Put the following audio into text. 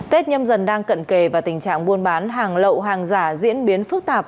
tết nhâm dần đang cận kề và tình trạng buôn bán hàng lậu hàng giả diễn biến phức tạp